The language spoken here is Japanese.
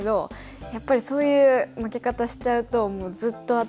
やっぱりそういう負け方しちゃうともうずっと頭に残って。